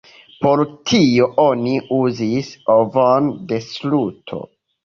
Por tio oni uzis ovon de struto.